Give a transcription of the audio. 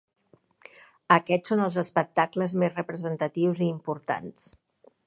Aquests són els espectacles més representatius i importants.